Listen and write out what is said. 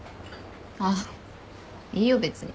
あっいいよ別に。